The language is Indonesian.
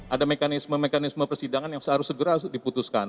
ada mekanisme mekanisme persidangan yang seharusnya diputuskan